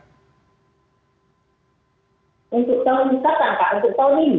untuk tahun ini pak kan pak untuk tahun ini